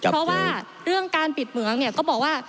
เพราะว่าเรื่องการปิดเหมืองเนี่ยก็บอกว่า